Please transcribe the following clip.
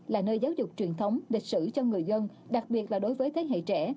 là nơi giáo dục truyền thống lịch sử cho người dân đặc biệt là đối với thế hệ trẻ